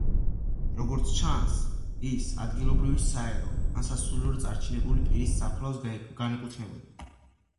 როგორც ჩანს, ის ადგილობრივი საერო ან სასულიერო წარჩინებული პირის საფლავს განეკუთვნებოდა.